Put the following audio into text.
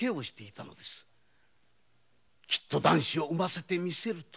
「きっと男子を産ませてみせる」と。